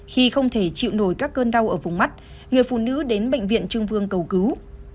khi không thể chịu nổi các cơn đau ở vùng mắt người phụ nữ đến bệnh viện trưng vương cầu cứu